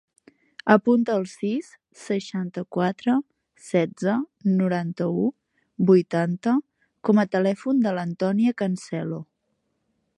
Apunta el sis, seixanta-quatre, setze, noranta-u, vuitanta com a telèfon de l'Antònia Cancelo.